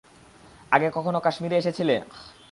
আগে কখনো কাশ্মিরে এসেছিলে?